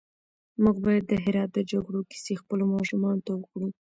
موږ بايد د هرات د جګړو کيسې خپلو ماشومانو ته وکړو.